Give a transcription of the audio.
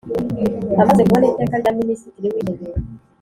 Amaze kubona Iteka rya Minisitiri w’Intebe